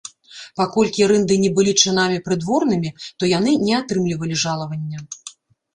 Паколькі рынды не былі чынамі прыдворнымі, то яны не атрымлівалі жалавання.